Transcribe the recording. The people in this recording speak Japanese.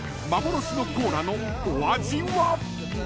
幻のコーラのお味は？］